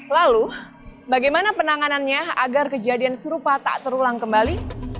lalu bagaimana penanganannya agar kejadian serupa tak terulang kembali